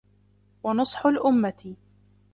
وَنُصْحُ الْأُمَّةِ